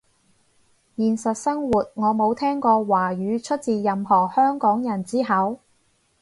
現實生活我冇聽過華語出自任何香港人之口